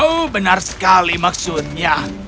oh benar sekali maksudnya